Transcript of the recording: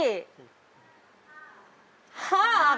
จริง